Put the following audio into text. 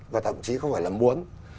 và thậm chí không phải là muốn